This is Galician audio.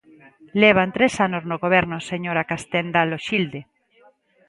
Levan tres anos no goberno, señora Castenda Loxilde.